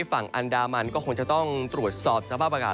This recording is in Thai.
ฝั่งอันดามันก็คงจะต้องตรวจสอบสภาพอากาศ